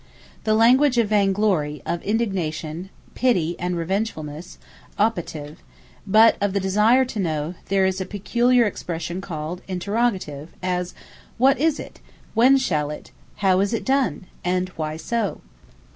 The language of Vaine Glory, of Indignation, Pitty and Revengefulness, Optative: but of the Desire to know, there is a peculiar expression called Interrogative; as, What Is It, When Shall It, How Is It Done, and Why So?